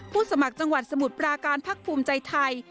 สมัครจังหวัดสมุทรปราการพักภูมิใจไทย